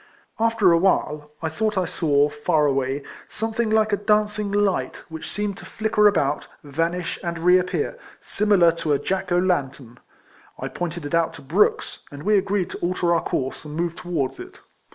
After awhile, I thought I saw, far away, something like a dancing light, which seemed to flicker about, vanish, and reappear, simi lar to a Jack o' lantern. I pointed it out to L'rooks, and we agreed to alter our course, and move towards it.